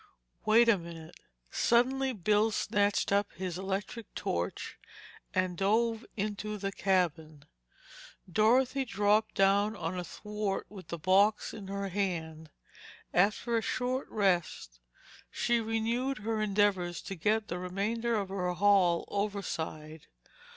"Wait a minute." Suddenly Bill snatched up his electric torch and dove into the cabin. Dorothy dropped down on a thwart with the box in her hand. After a short rest, she renewed her endeavors to get the remainder of her haul overside.